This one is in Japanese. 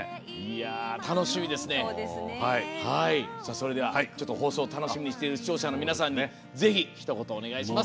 それでは放送、楽しみにしている視聴者の皆さんにぜひ、ひと言お願いいたします。